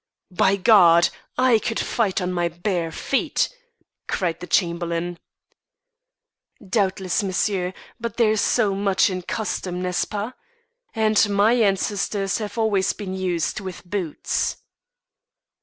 "By God! I could fight on my bare feet," cried the Chamberlain. "Doubtless, monsieur; but there is so much in custom, n'est ce pas? and my ancestors have always been used with boots."